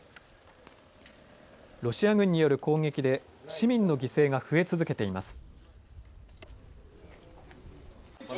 ロシア軍による攻撃で市民の犠牲が増え続けています。